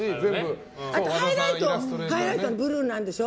あとハイライトブルーなんですよ。